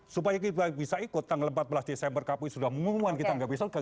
supaya kita bisa ikut tanggal empat belas desember kpu sudah mengumumkan kita nggak bisa ikut